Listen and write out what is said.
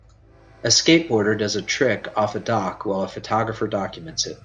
A skateboarder does a trick off a dock while a photographer documents it.